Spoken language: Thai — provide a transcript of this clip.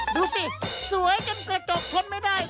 ดูสิสวยจนกระจกทนไม่ได้